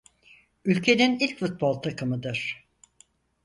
Ülkenin ilk futbol takımıdır.